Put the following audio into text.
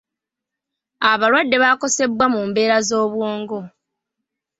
Abalwadde bakosebwa mu mbeera z'obwongo.